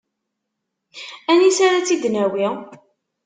Anisi ara tt-id-nawi?